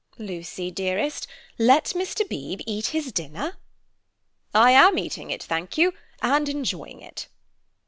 "Lucy, dearest, let Mr. Beebe eat his dinner." "I am eating it, thank you, and enjoying it."